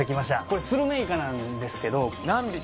これスルメイカなんですけど何匹？